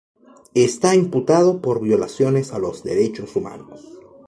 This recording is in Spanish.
Está imputado por violaciones a los derechos humanos.